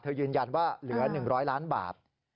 ยืนยันว่าเหลือ๑๐๐ล้านบาท